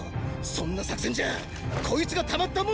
そんな作戦じゃこいつがたまったもんじゃねェぞ！